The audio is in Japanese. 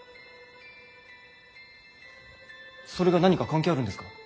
それが何か関係あるんですか？